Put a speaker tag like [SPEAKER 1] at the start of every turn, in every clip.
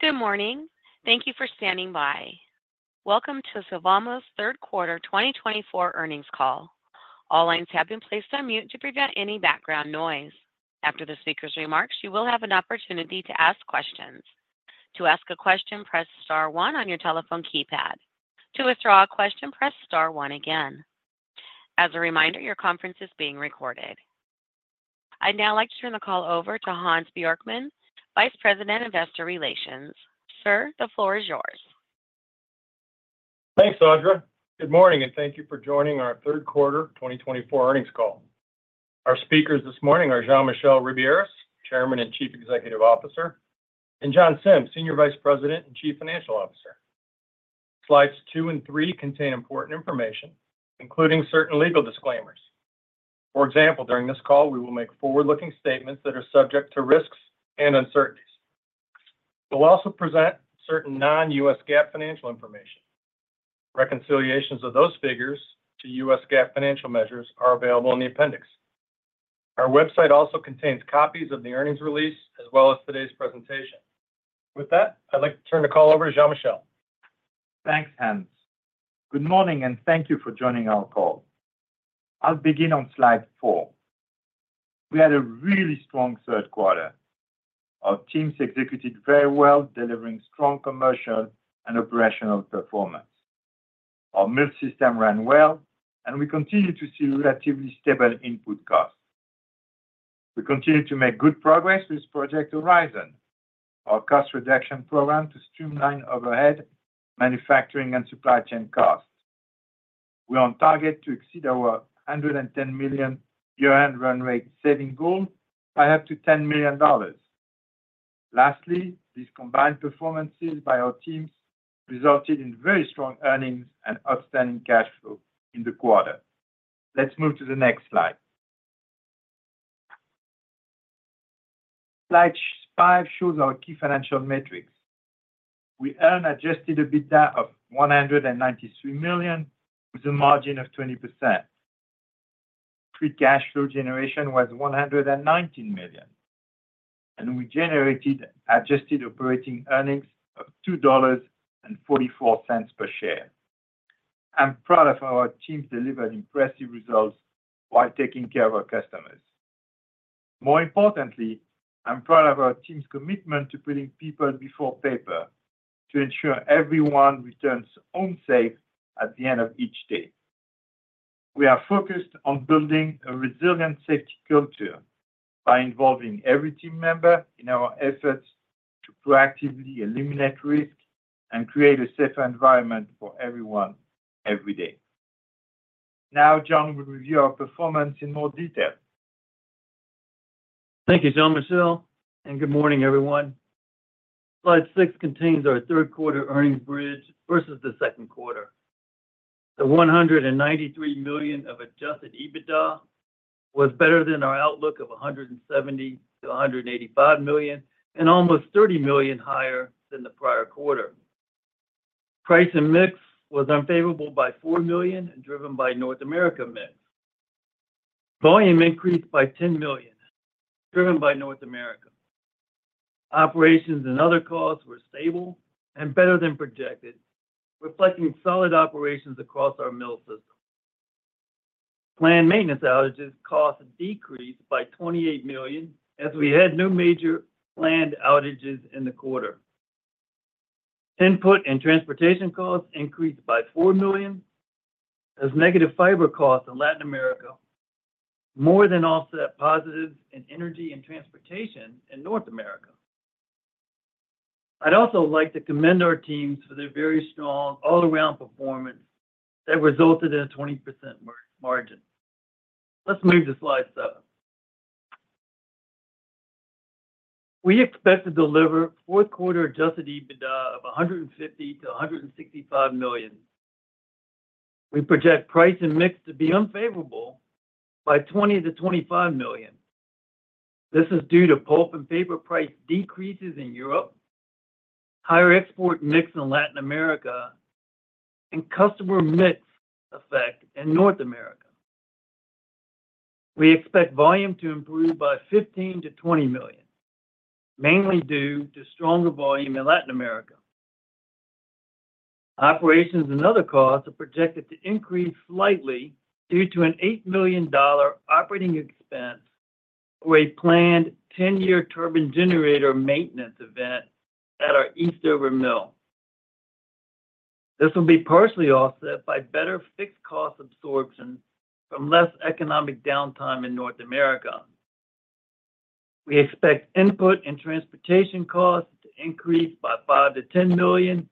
[SPEAKER 1] Good morning. Thank you for standing by. Welcome to Sylvamo's third quarter 2024 earnings call. All lines have been placed on mute to prevent any background noise. After the speaker's remarks, you will have an opportunity to ask questions. To ask a question, press star one on your telephone keypad. To withdraw a question, press star one again. As a reminder, your conference is being recorded. I'd now like to turn the call over to Hans Bjorkman, Vice President, Investor Relations. Sir, the floor is yours.
[SPEAKER 2] Thanks, Audra. Good morning, and thank you for joining our third quarter 2024 earnings call. Our speakers this morning are Jean-Michel Ribiéras, Chairman and Chief Executive Officer, and John Sims, Senior Vice President and Chief Financial Officer. Slides two and three contain important information, including certain legal disclaimers. For example, during this call, we will make forward-looking statements that are subject to risks and uncertainties. We'll also present certain non-U.S. GAAP financial information. Reconciliations of those figures to U.S. GAAP financial measures are available in the appendix. Our website also contains copies of the earnings release as well as today's presentation. With that, I'd like to turn the call over to Jean-Michel.
[SPEAKER 3] Thanks, Hans. Good morning, and thank you for joining our call. I'll begin on slide four. We had a really strong third quarter. Our teams executed very well, delivering strong commercial and operational performance. Our mill system ran well, and we continue to see relatively stable input costs. We continue to make good progress with Project Horizon, our cost reduction program to streamline overhead manufacturing and supply chain costs. We are on target to exceed our $110 million year-end run rate saving goal by up to $10 million. Lastly, these combined performances by our teams resulted in very strong earnings and outstanding cash flow in the quarter. Let's move to the next slide. Slide five shows our key financial metrics. We earned adjusted EBITDA of $193 million with a margin of 20%. Free cash flow generation was $119 million, and we generated adjusted operating earnings of $2.44 per share. I'm proud of how our teams delivered impressive results while taking care of our customers. More importantly, I'm proud of our team's commitment to putting people before paper to ensure everyone returns home safe at the end of each day. We are focused on building a resilient safety culture by involving every team member in our efforts to proactively eliminate risk and create a safer environment for everyone every day. Now, John, we'll review our performance in more detail.
[SPEAKER 4] Thank you, Jean-Michel, and good morning, everyone. Slide six contains our third quarter earnings bridge versus the second quarter. The $193 million of adjusted EBITDA was better than our outlook of $170-$185 million and almost $30 million higher than the prior quarter. Price and mix was unfavorable by $4 million and driven by North America mix. Volume increased by $10 million, driven by North America. Operations and other costs were stable and better than projected, reflecting solid operations across our mill system. Planned maintenance outages cost decreased by $28 million as we had no major planned outages in the quarter. Input and transportation costs increased by $4 million as negative fiber costs in Latin America more than offset positives in energy and transportation in North America. I'd also like to commend our teams for their very strong all-around performance that resulted in a 20% margin. Let's move to slide seven. We expect to deliver fourth quarter Adjusted EBITDA of $150 million-$165 million. We project price and mix to be unfavorable by $20 million-$25 million. This is due to pulp and paper price decreases in Europe, higher export mix in Latin America, and customer mix effect in North America. We expect volume to improve by $15 million-$20 million, mainly due to stronger volume in Latin America. Operations and other costs are projected to increase slightly due to an $8 million operating expense for a planned 10-year turbine generator maintenance event at our Eastover mill. This will be partially offset by better fixed cost absorption from less economic downtime in North America. We expect input and transportation costs to increase by $5 million-$10 million,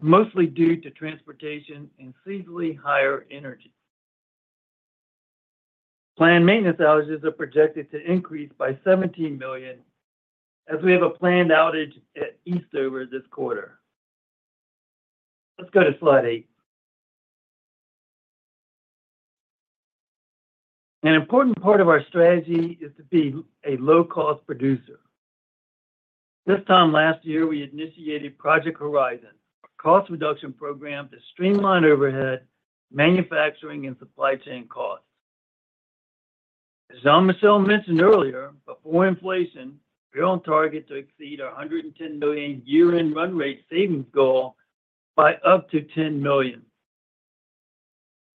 [SPEAKER 4] mostly due to transportation and seasonally higher energy. Planned maintenance outages are projected to increase by 17 million as we have a planned outage at Eastover this quarter. Let's go to slide eight. An important part of our strategy is to be a low-cost producer. This time last year, we initiated Project Horizon, a cost reduction program to streamline overhead manufacturing and supply chain costs. As Jean-Michel mentioned earlier, before inflation, we're on target to exceed our 110 million year-end run rate savings goal by up to 10 million.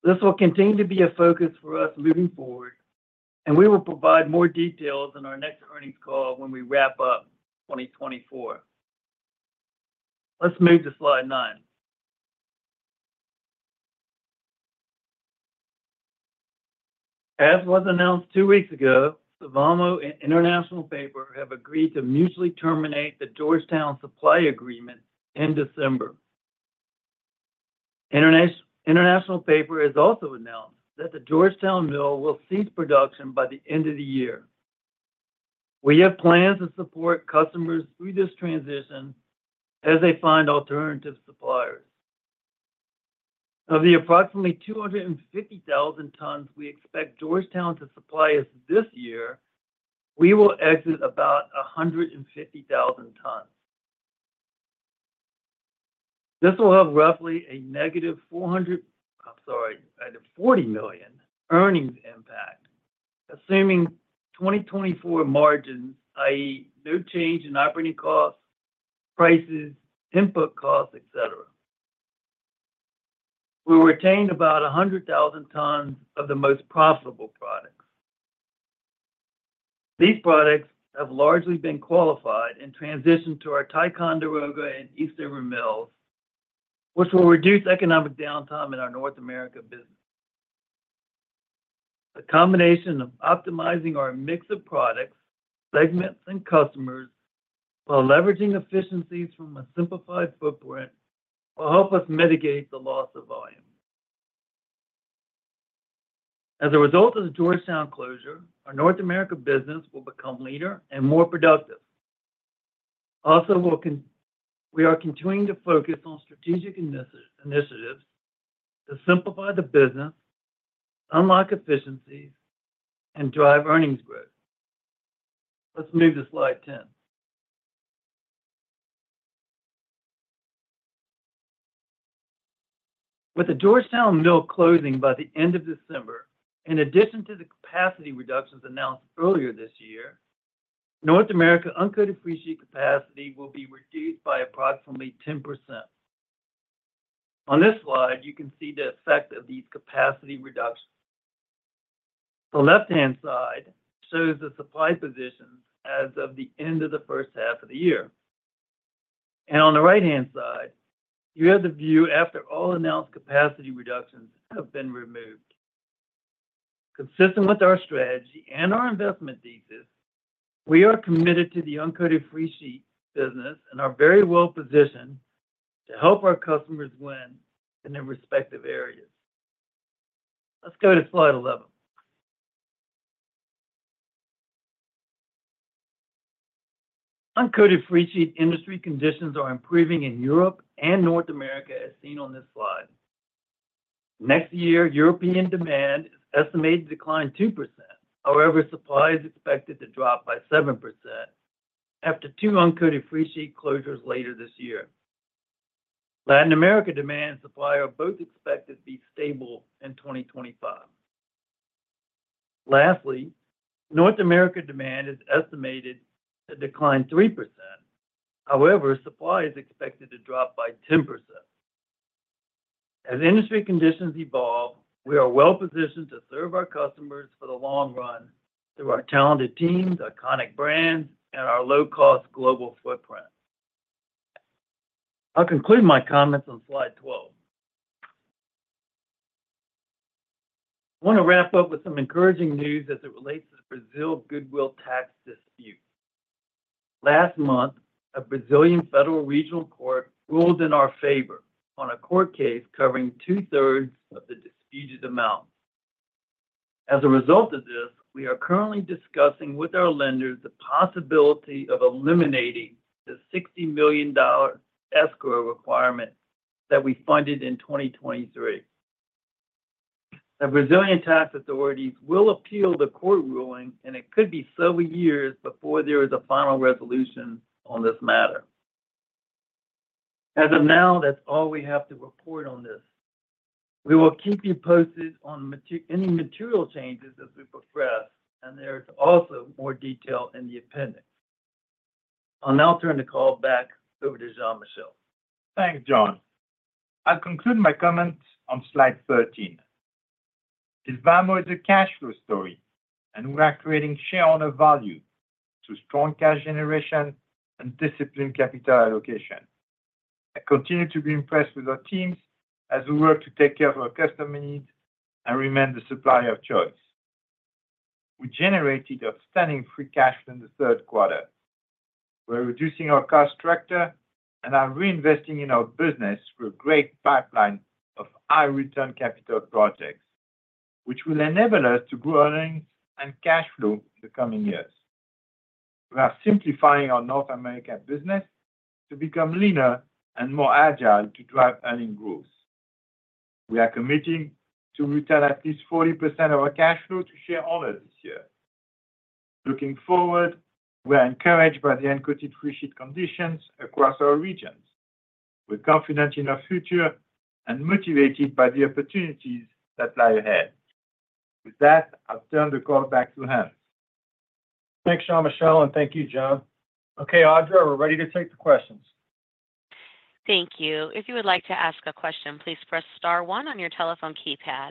[SPEAKER 4] This will continue to be a focus for us moving forward, and we will provide more details in our next earnings call when we wrap up 2024. Let's move to slide nine. As was announced two weeks ago, Sylvamo and International Paper have agreed to mutually terminate the Georgetown supply agreement in December. International Paper has also announced that the Georgetown mill will cease production by the end of the year. We have plans to support customers through this transition as they find alternative suppliers. Of the approximately 250,000 tons we expect Georgetown to supply us this year, we will exit about 150,000 tons. This will have roughly a negative 400. I'm sorry, a $40 million earnings impact, assuming 2024 margins, i.e., no change in operating costs, prices, input costs, etc. We retained about 100,000 tons of the most profitable products. These products have largely been qualified and transitioned to our Ticonderoga and Eastover mills, which will reduce economic downtime in our North America business. The combination of optimizing our mix of products, segments, and customers while leveraging efficiencies from a simplified footprint will help us mitigate the loss of volume. As a result of the Georgetown closure, our North America business will become leaner and more productive. Also, we are continuing to focus on strategic initiatives to simplify the business, unlock efficiencies, and drive earnings growth. Let's move to slide 10. With the Georgetown mill closing by the end of December, in addition to the capacity reductions announced earlier this year, North America's uncoated freesheet capacity will be reduced by approximately 10%. On this slide, you can see the effect of these capacity reductions. The left-hand side shows the supply positions as of the end of the first half of the year, and on the right-hand side, you have the view after all announced capacity reductions have been removed. Consistent with our strategy and our investment thesis, we are committed to the uncoated freesheet business and are very well positioned to help our customers win in their respective areas. Let's go to slide 11. Uncoated freesheet industry conditions are improving in Europe and North America, as seen on this slide. Next year, European demand is estimated to decline 2%. However, supply is expected to drop by 7% after two uncoated freesheet closures later this year. Latin America demand and supply are both expected to be stable in 2025. Lastly, North America demand is estimated to decline 3%. However, supply is expected to drop by 10%. As industry conditions evolve, we are well positioned to serve our customers for the long run through our talented teams, iconic brands, and our low-cost global footprint. I'll conclude my comments on slide 12. I want to wrap up with some encouraging news as it relates to the Brazil goodwill tax dispute. Last month, a Brazilian federal regional court ruled in our favor on a court case covering two-thirds of the disputed amount. As a result of this, we are currently discussing with our lenders the possibility of eliminating the $60 million escrow requirement that we funded in 2023. The Brazilian tax authorities will appeal the court ruling, and it could be several years before there is a final resolution on this matter. As of now, that's all we have to report on this. We will keep you posted on any material changes as we progress, and there is also more detail in the appendix. I'll now turn the call back over to Jean-Michel.
[SPEAKER 3] Thanks, John. I'll conclude my comments on slide 13. Sylvamo is a cash flow story, and we are creating shareholder value through strong cash generation and disciplined capital allocation. I continue to be impressed with our teams as we work to take care of our customer needs and remain the supplier of choice. We generated outstanding free cash flow in the third quarter. We're reducing our cost structure and are reinvesting in our business through a great pipeline of high-return capital projects, which will enable us to grow earnings and cash flow in the coming years. We are simplifying our North America business to become leaner and more agile to drive earnings growth. We are committing to return at least 40% of our cash flow to shareholders this year. Looking forward, we are encouraged by the uncoated freesheet conditions across our regions. We're confident in our future and motivated by the opportunities that lie ahead. With that, I'll turn the call back to Hans.
[SPEAKER 2] Thanks, Jean-Michel, and thank you, John. Okay, Audra, we're ready to take the questions.
[SPEAKER 1] Thank you. If you would like to ask a question, please press star one on your telephone keypad.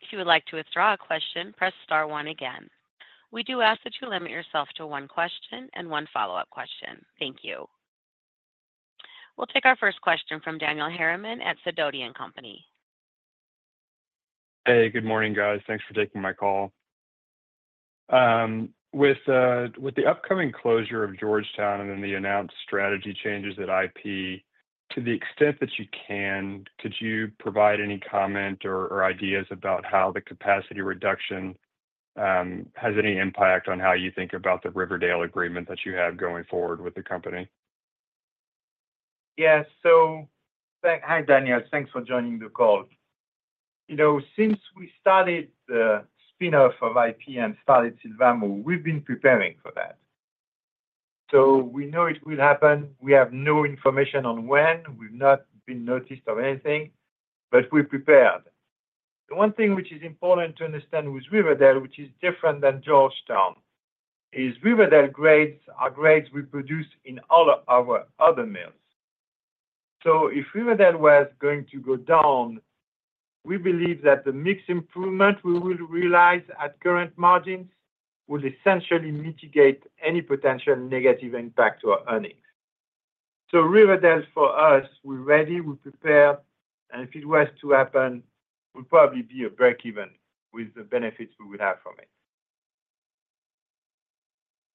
[SPEAKER 1] If you would like to withdraw a question, press star one again. We do ask that you limit yourself to one question and one follow-up question. Thank you. We'll take our first question from Daniel Harriman at Sidoti & Company.
[SPEAKER 5] Hey, good morning, guys. Thanks for taking my call. With the upcoming closure of Georgetown and then the announced strategy changes at IP, to the extent that you can, could you provide any comment or ideas about how the capacity reduction has any impact on how you think about the Riverdale agreement that you have going forward with the company?
[SPEAKER 3] Yes. So hi, Daniel. Thanks for joining the call. Since we started the spinoff of IP and started Sylvamo, we've been preparing for that. So we know it will happen. We have no information on when. We've not been notified of anything, but we're prepared. The one thing which is important to understand with Riverdale, which is different than Georgetown, is Riverdale grades are grades we produce in all our other mills. So if Riverdale was going to go down, we believe that the mix improvement we will realize at current margins will essentially mitigate any potential negative impact to our earnings. So Riverdale, for us, we're ready, we're prepared, and if it was to happen, we'll probably be a break-even with the benefits we would have from it.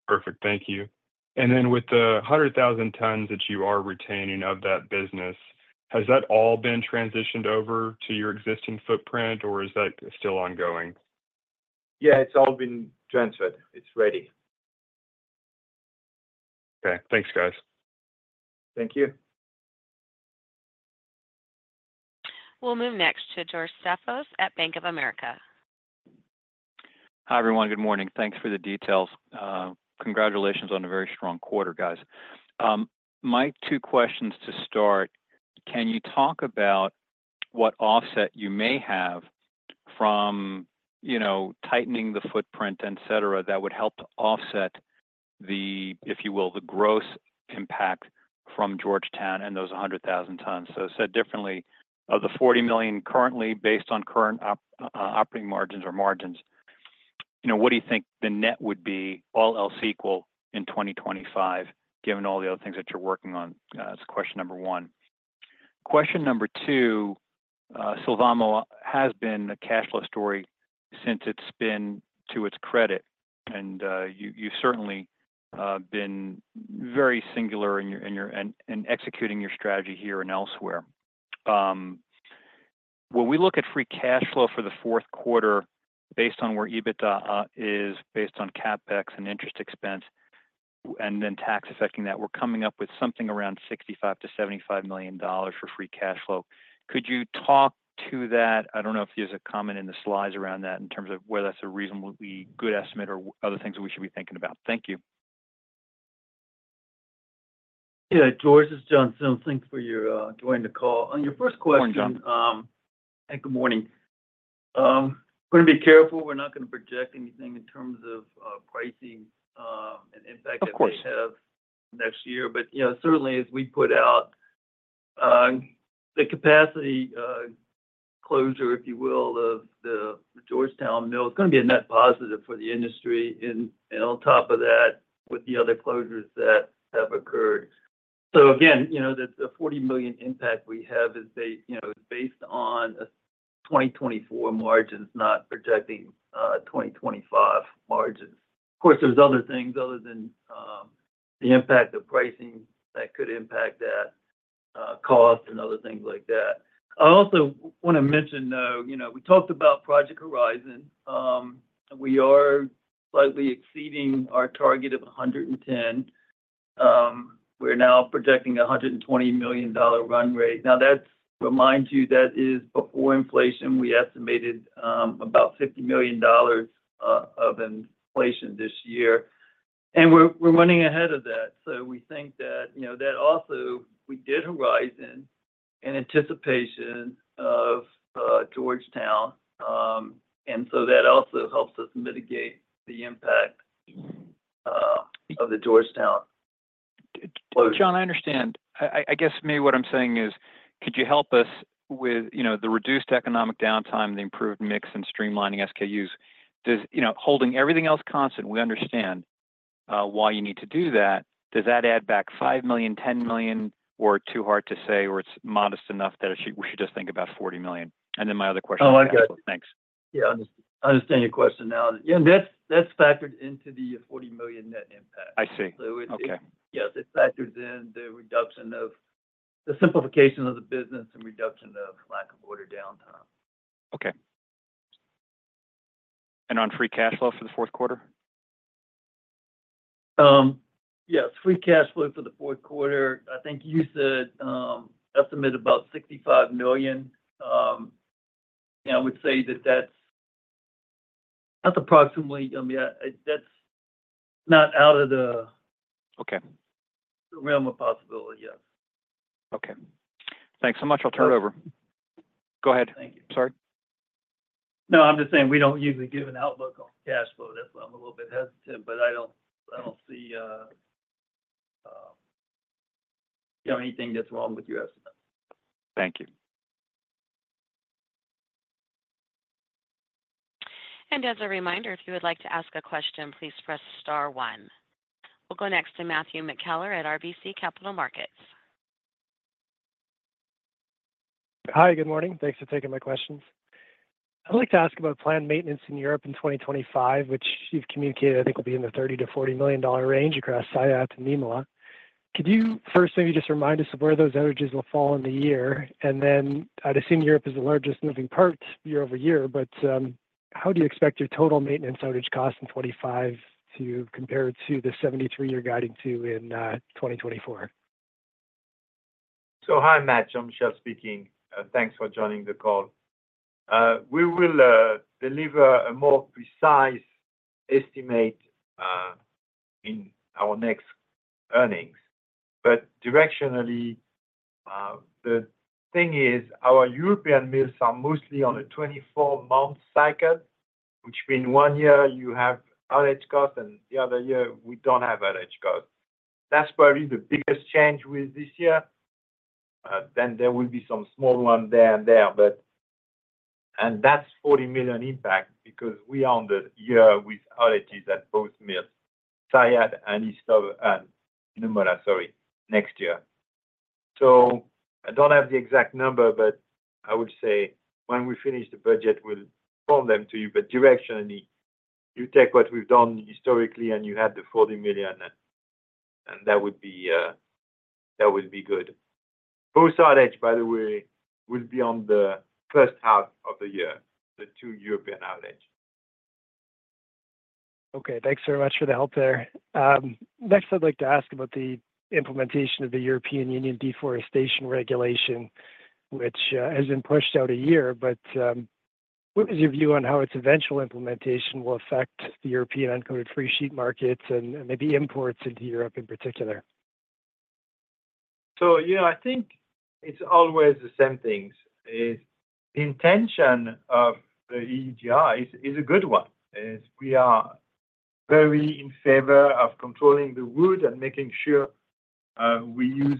[SPEAKER 5] Perfect. Thank you. And then with the 100,000 tons that you are retaining of that business, has that all been transitioned over to your existing footprint, or is that still ongoing?
[SPEAKER 3] Yeah, it's all been transferred. It's ready.
[SPEAKER 5] Okay. Thanks, guys.
[SPEAKER 3] Thank you.
[SPEAKER 1] We'll move next to George Staphos at Bank of America.
[SPEAKER 6] Hi, everyone. Good morning. Thanks for the details. Congratulations on a very strong quarter, guys. My two questions to start: can you talk about what offset you may have from tightening the footprint, etc., that would help to offset the, if you will, the gross impact from Georgetown and those 100,000 tons? So said differently, of the 40 million currently, based on current operating margins or margins, what do you think the net would be, all else equal, in 2025, given all the other things that you're working on? That's question number one. Question number two, Sylvamo has been a cash flow story since it's been to its credit, and you've certainly been very singular in executing your strategy here and elsewhere. When we look at free cash flow for the fourth quarter, based on where EBITDA is, based on CapEx and interest expense, and then tax-affecting that, we're coming up with something around $65 million-$75 million for free cash flow. Could you talk to that? I don't know if there's a comment in the slides around that in terms of whether that's a reasonably good estimate or other things that we should be thinking about. Thank you.
[SPEAKER 4] Yeah, George. It's John Sims. Thanks for joining the call. On your first question.
[SPEAKER 6] Morning, John.
[SPEAKER 4] Good morning. Going to be careful. We're not going to project anything in terms of pricing and impact that we have next year. Certainly, as we put out, the capacity closure, if you will, of the Georgetown mill, it's going to be a net positive for the industry. On top of that, with the other closures that have occurred. Again, the $40 million impact we have is based on 2024 margins, not projecting 2025 margins. Of course, there's other things other than the impact of pricing that could impact that cost and other things like that. I also want to mention, though, we talked about Project Horizon. We are slightly exceeding our target of $110 million. We're now projecting a $120 million run rate. Now, that reminds you, that is before inflation. We estimated about $50 million of inflation this year. We're running ahead of that. So we think that also we did Horizon in anticipation of Georgetown. And so that also helps us mitigate the impact of the Georgetown.
[SPEAKER 6] John, I understand. I guess maybe what I'm saying is, could you help us with the reduced economic downtime, the improved mix, and streamlining SKUs? Holding everything else constant, we understand why you need to do that. Does that add back $5 million, $10 million, or too hard to say, or it's modest enough that we should just think about $40 million? And then my other question was.
[SPEAKER 4] Oh, I got it.
[SPEAKER 6] Thanks.
[SPEAKER 4] Yeah, I understand your question now. Yeah, that's factored into the $40 million net impact.
[SPEAKER 6] I see. Okay.
[SPEAKER 4] So yes, it factors in the reduction of the simplification of the business and reduction of lack of order downtime.
[SPEAKER 6] Okay, and on free cash flow for the fourth quarter?
[SPEAKER 4] Yes, free cash flow for the fourth quarter, I think you said estimate about $65 million, and I would say that that's approximately, I mean, that's not out of the realm of possibility, yes.
[SPEAKER 6] Okay. Thanks so much. I'll turn it over.
[SPEAKER 4] Go ahead. Thank you.
[SPEAKER 6] I'm sorry.
[SPEAKER 4] No, I'm just saying we don't usually give an outlook on cash flow. That's why I'm a little bit hesitant. But I don't see anything that's wrong with your estimate.
[SPEAKER 6] Thank you.
[SPEAKER 1] As a reminder, if you would like to ask a question, please press star one. We'll go next to Matthew McKellar at RBC Capital Markets.
[SPEAKER 7] Hi, good morning. Thanks for taking my questions. I'd like to ask about planned maintenance in Europe in 2025, which you've communicated, I think, will be in the $30 million-$40 million range across Saillat and Nymölla. Could you first maybe just remind us of where those outages will fall in the year? And then I'd assume Europe is the largest moving part year-over-year, but how do you expect your total maintenance outage cost in 2025 to compare to the $73 million guiding to in 2024?
[SPEAKER 3] So hi, Matt. Jean-Michel speaking. Thanks for joining the call. We will deliver a more precise estimate in our next earnings. But directionally, the thing is our European mills are mostly on a 24-month cycle, which means one year you have outage costs and the other year we don't have outage costs. That's probably the biggest change with this year. Then there will be some small ones here and there. And that's $40 million impact because we are on the year with outages at both mills, Saillat and Nymölla, sorry, next year. So I don't have the exact number, but I would say when we finish the budget, we'll call them to you. But directionally, you take what we've done historically and you had the $40 million, and that would be good. Post-outage, by the way, will be on the first half of the year, the two European outages.
[SPEAKER 7] Okay. Thanks very much for the help there. Next, I'd like to ask about the implementation of the European Union Deforestation Regulation, which has been pushed out a year. But what is your view on how its eventual implementation will affect the European uncoated freesheet markets and maybe imports into Europe in particular?
[SPEAKER 3] I think it's always the same things. The intention of the EUDR is a good one. We are very in favor of controlling the wood and making sure we use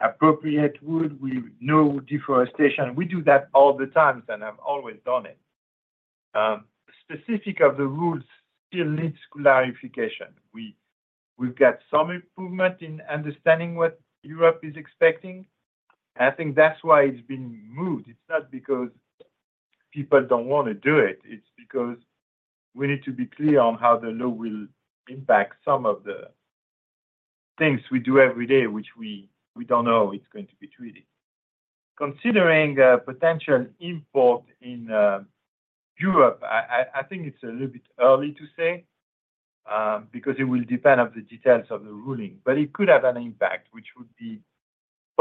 [SPEAKER 3] appropriate wood. We know deforestation. We do that all the time and have always done it. Specifics of the rules still need clarification. We've got some improvement in understanding what Europe is expecting. I think that's why it's been moved. It's not because people don't want to do it. It's because we need to be clear on how the law will impact some of the things we do every day, which we don't know how it's going to be treated. Considering potential imports in Europe, I think it's a little bit early to say because it will depend on the details of the ruling. But it could have an impact, which would be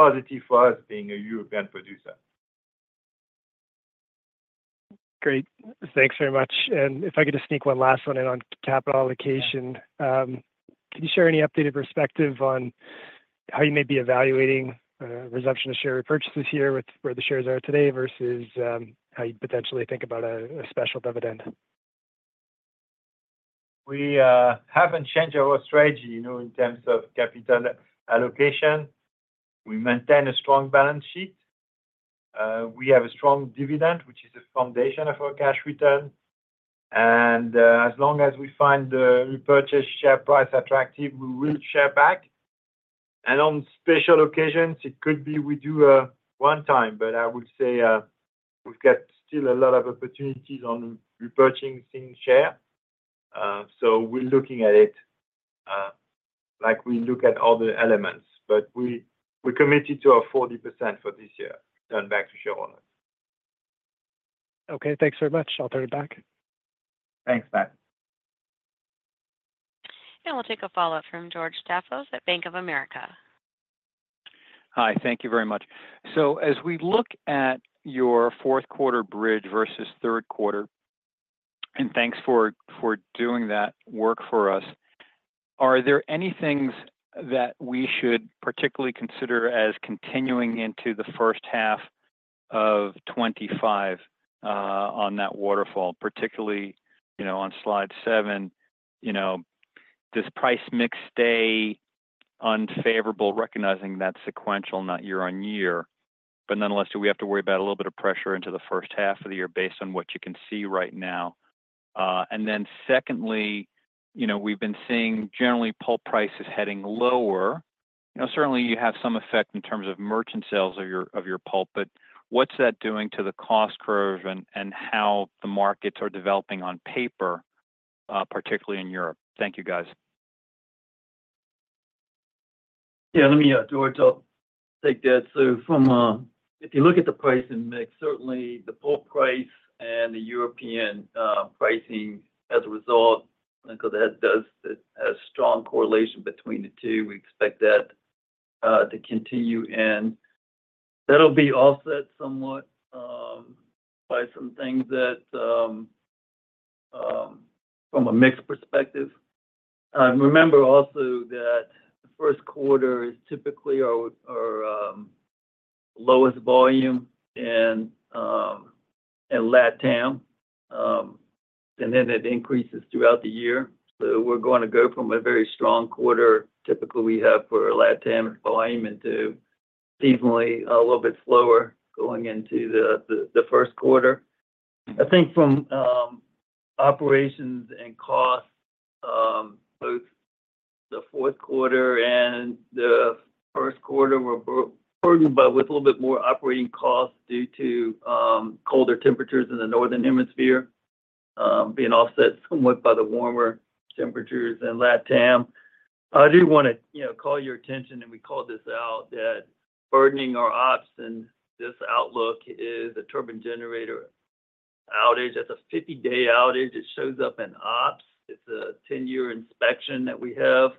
[SPEAKER 3] positive for us being a European producer.
[SPEAKER 7] Great. Thanks very much and if I get to sneak one last one in on capital allocation, could you share any updated perspective on how you may be evaluating resumption of share repurchases here with where the shares are today versus how you potentially think about a special dividend?
[SPEAKER 3] We haven't changed our strategy in terms of capital allocation. We maintain a strong balance sheet. We have a strong dividend, which is the foundation of our cash return. And as long as we find the repurchase share price attractive, we will share back. And on special occasions, it could be we do one time, but I would say we've got still a lot of opportunities on repurchasing share. So we're looking at it like we look at other elements. But we're committed to our 40% for this year, return back to shareholders.
[SPEAKER 7] Okay. Thanks very much. I'll turn it back.
[SPEAKER 3] Thanks, Matt.
[SPEAKER 1] We'll take a follow-up from George Staphos at Bank of America.
[SPEAKER 6] Hi. Thank you very much. So as we look at your fourth quarter bridge versus third quarter, and thanks for doing that work for us, are there any things that we should particularly consider as continuing into the first half of 2025 on that waterfall, particularly on slide seven, this price mix stay unfavorable, recognizing that sequential, not year on year? But nonetheless, do we have to worry about a little bit of pressure into the first half of the year based on what you can see right now? And then secondly, we've been seeing generally pulp prices heading lower. Certainly, you have some effect in terms of merchant sales of your pulp, but what's that doing to the cost curve and how the markets are developing on paper, particularly in Europe? Thank you, guys.
[SPEAKER 4] Yeah, let me, George. I'll take that. So if you look at the pricing mix, certainly the pulp price and the European pricing as a result, because that has a strong correlation between the two, we expect that to continue. And that'll be offset somewhat by some things from a mixed perspective. Remember also that the first quarter is typically our lowest volume in LatAm, and then it increases throughout the year. So we're going to go from a very strong quarter, typically we have for LatAm volume, into seasonally a little bit slower going into the first quarter. I think from operations and costs, both the fourth quarter and the first quarter were burdened but with a little bit more operating costs due to colder temperatures in the northern hemisphere, being offset somewhat by the warmer temperatures in LatAm. I do want to call your attention, and we called this out, that burdening our ops and this outlook is a turbine generator outage. That's a 50-day outage. It shows up in ops. It's a 10-year inspection that we have.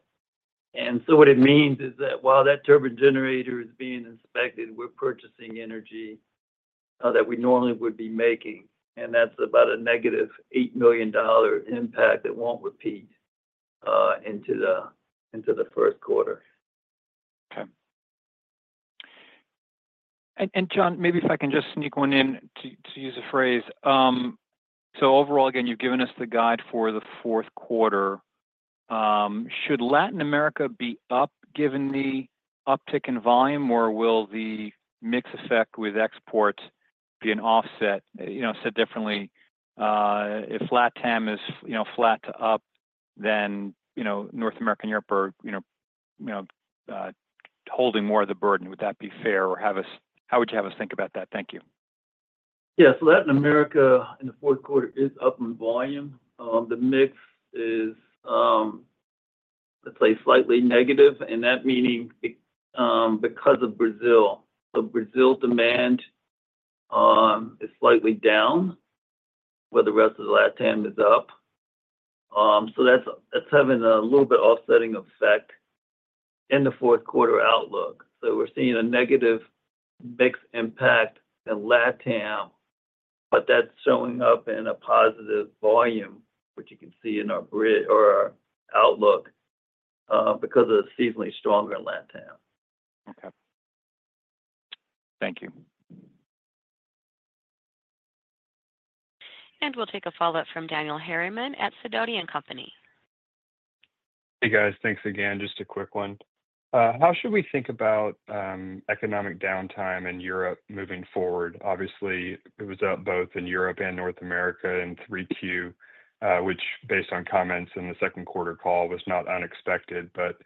[SPEAKER 4] And so what it means is that while that turbine generator is being inspected, we're purchasing energy that we normally would be making. And that's about a negative $8 million impact that won't repeat into the first quarter.
[SPEAKER 6] Okay. And John, maybe if I can just sneak one in to use a phrase. So overall, again, you've given us the guide for the fourth quarter. Should Latin America be up given the uptick in volume, or will the mix effect with exports be an offset? Said differently, if LatAm is flat to up, then North America and Europe are holding more of the burden. Would that be fair? Or how would you have us think about that? Thank you.
[SPEAKER 4] Yes. Latin America in the fourth quarter is up in volume. The mix is, let's say, slightly negative, and that meaning because of Brazil. So Brazil demand is slightly down, where the rest of the LatAm is up. So that's having a little bit of offsetting effect in the fourth quarter outlook. So we're seeing a negative mix impact in LatAm, but that's showing up in a positive volume, which you can see in our outlook because of the seasonally stronger LatAm.
[SPEAKER 6] Okay. Thank you.
[SPEAKER 1] We'll take a follow-up from Daniel Harriman at Sidoti & Company.
[SPEAKER 5] Hey, guys. Thanks again. Just a quick one. How should we think about economic downtime in Europe moving forward? Obviously, it was up both in Europe and North America in 3Q, which, based on comments in the second quarter call, was not unexpected. But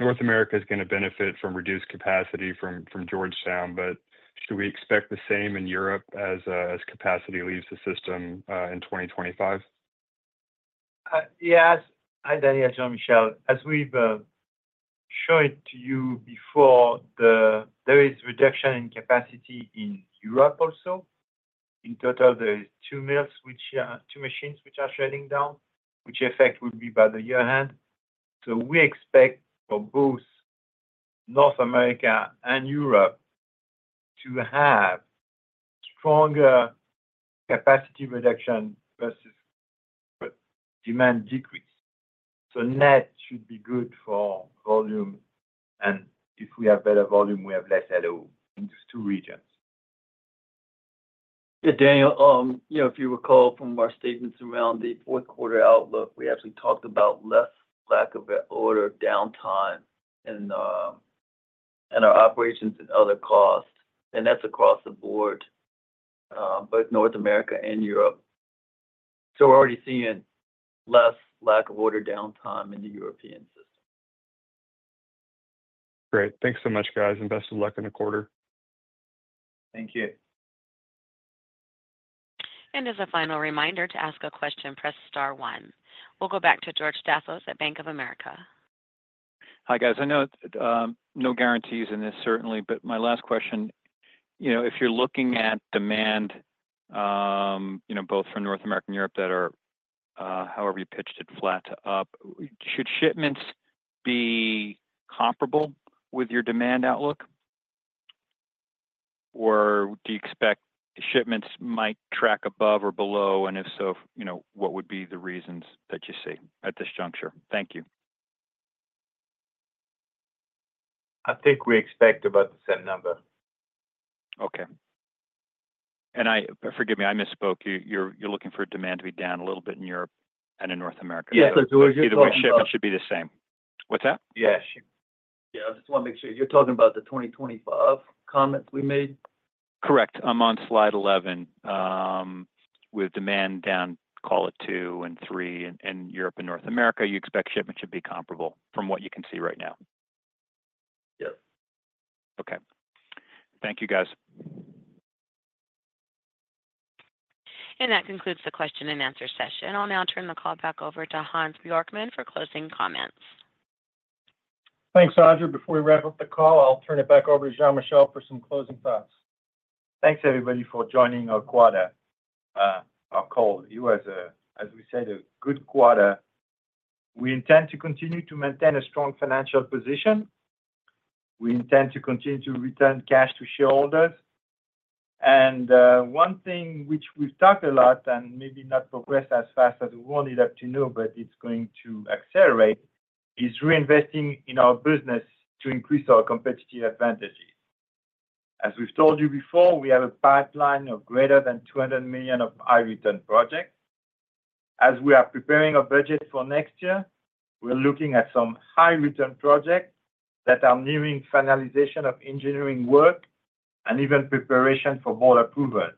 [SPEAKER 5] North America is going to benefit from reduced capacity from Georgetown. But should we expect the same in Europe as capacity leaves the system in 2025?
[SPEAKER 3] Yes. Hi, Daniel. Jean-Michel. As we've showed to you before, there is reduction in capacity in Europe also. In total, there are two machines which are shutting down, which effect will be by the year end. So we expect for both North America and Europe to have stronger capacity reduction versus demand decrease. So net should be good for volume. And if we have better volume, we have less LO in those two regions.
[SPEAKER 4] Yeah, Daniel, if you recall from our statements around the fourth quarter outlook, we actually talked about less lack of order downtime in our operations and other costs, and that's across the board, both North America and Europe, so we're already seeing less lack of order downtime in the European system.
[SPEAKER 5] Great. Thanks so much, guys, and best of luck in the quarter.
[SPEAKER 3] Thank you.
[SPEAKER 1] As a final reminder to ask a question, press star one. We'll go back to George Staphos at Bank of America.
[SPEAKER 6] Hi, guys. I know no guarantees in this certainly, but my last question, if you're looking at demand both from North America and Europe that are, however you pitched it, flat to up, should shipments be comparable with your demand outlook? Or do you expect shipments might track above or below? And if so, what would be the reasons that you see at this juncture? Thank you.
[SPEAKER 3] I think we expect about the same number.
[SPEAKER 6] Okay. And forgive me, I misspoke. You're looking for demand to be down a little bit in Europe and in North America.
[SPEAKER 4] Yes, that's what we're just looking for.
[SPEAKER 6] Either way, shipment should be the same. What's that?
[SPEAKER 3] Yeah.
[SPEAKER 4] Yeah. I just want to make sure. You're talking about the 2025 comments we made?
[SPEAKER 6] Correct. I'm on slide 11 with demand down, call it two and three in Europe and North America. You expect shipment should be comparable from what you can see right now?
[SPEAKER 4] Yes.
[SPEAKER 6] Okay. Thank you, guys.
[SPEAKER 1] That concludes the question and answer session. I'll now turn the call back over to Hans Bjorkman for closing comments.
[SPEAKER 2] Thanks, Audra. Before we wrap up the call, I'll turn it back over to Jean-Michel for some closing thoughts.
[SPEAKER 3] Thanks, everybody, for joining our call. Yeah, as we said, a good quarter. We intend to continue to maintain a strong financial position. We intend to continue to return cash to shareholders. And one thing which we've talked a lot and maybe not progressed as fast as we wanted up to now, but it's going to accelerate, is reinvesting in our business to increase our competitive advantages. As we've told you before, we have a pipeline of greater than $200 million of high-return projects. As we are preparing our budget for next year, we're looking at some high-return projects that are nearing finalization of engineering work and even preparation for board approval.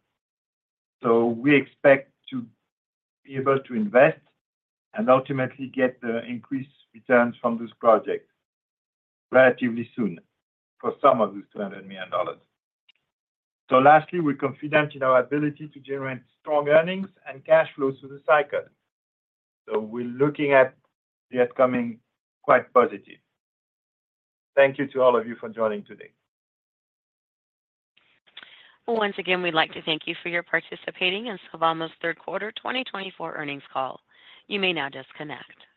[SPEAKER 3] So we expect to be able to invest and ultimately get the increased returns from those projects relatively soon for some of those $200 million. So lastly, we're confident in our ability to generate strong earnings and cash flows through the cycle. So we're looking at the upcoming. Quite positive. Thank you to all of you for joining today.
[SPEAKER 1] Once again, we'd like to thank you for your participation in Sylvamo's third quarter 2024 earnings call. You may now disconnect.